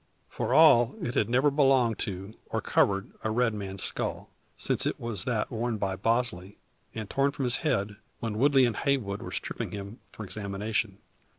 For all, it had never belonged to, or covered, a red man's skull since it was that worn by Bosley, and torn from his head when Woodley and Heywood were stripping him for examination.